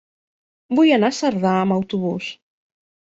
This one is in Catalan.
Vull anar a Cerdà amb autobús.